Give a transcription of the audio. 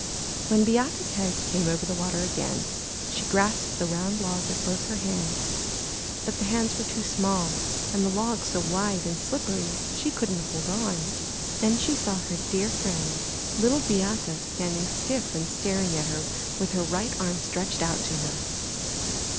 When Beate' s head came over the water again she grasped the round log with both her hands, but the hands were too small and the log so wide and slippery, she couldn't hold on. Then she saw her dear friend. Little Beate, standing stiff and staring at her with her right arm stretched out to her.